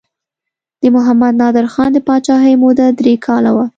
د محمد نادر خان د پاچاهۍ موده درې کاله وه.